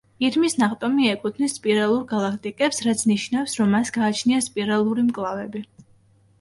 ირმის ნახტომი ეკუთვნის სპირალურ გალაქტიკებს, რაც ნიშნავს რომ მას გააჩნია სპირალური მკლავები.